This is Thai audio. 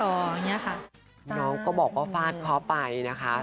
น้องก็บอกว่าฟาดเค้าไปนะคะ